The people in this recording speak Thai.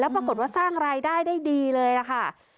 ปรากฏว่าสร้างรายได้ได้ดีเลยล่ะค่ะ